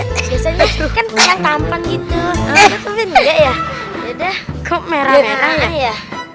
kok merah merah aja